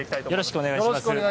よろしくお願いします。